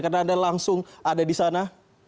karena anda langsung ada di sana